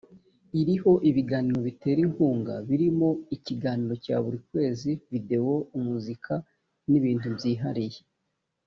iriho ibiganiro bitera inkunga birimo ikiganiro cya buri kwezi videwo umuzika n ibintu byihariye